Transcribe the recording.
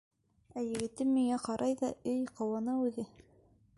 Ә егетем миңә ҡарай ҙа эй ҡыуана үҙе!..